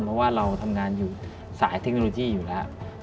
เพราะว่าเราทำงานอยู่สายเทคโนโลยีอยู่แล้ว